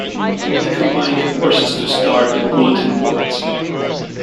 We combined forces to start the Bulletin boards.